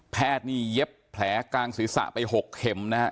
นี่เย็บแผลกลางศีรษะไป๖เข็มนะฮะ